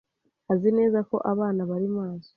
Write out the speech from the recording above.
azi neza ko abana bari maso